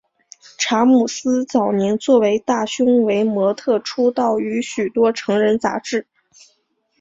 查姆斯早年作为大胸围模特出道于许多成人杂志。